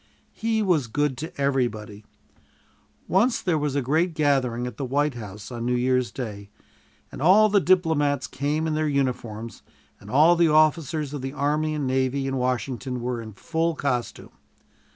He was good to everybody. Once there was a great gathering at the White House on New Year's Day, and all the diplomats came in their uniforms, and all the officers of the army and navy in Washington were in full costume.